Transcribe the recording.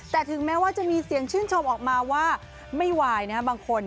แต่ถึงแม้ว่าจะมีเสียงชื่นชมออกมาว่าไม่ไหวนะบางคน